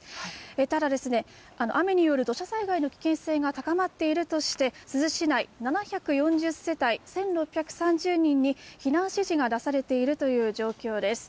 ただ、雨による土砂災害の危険性が高まっているとして、珠洲市内７４０世帯１６３０人に避難指示が出されているという状況です。